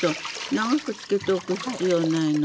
長くつけておく必要ないのよ。